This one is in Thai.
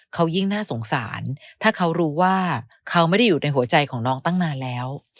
เขายิ่งน่าสงสารถ้าเขารู้ว่าเขาไม่ได้อยู่ในหัวใจของน้องตั้งนานแล้ว